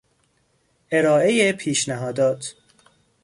ارائه پیشنهادات